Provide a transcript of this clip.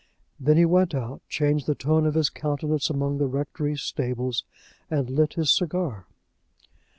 Then he went out, changed the tone of his countenance among the rectory stables, and lit his cigar.